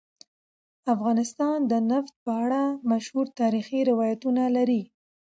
افغانستان د نفت په اړه مشهور تاریخی روایتونه لري.